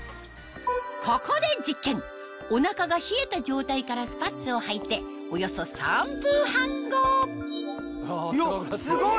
ここで実験お腹が冷えた状態からスパッツをはいておよそ３分半後すごい！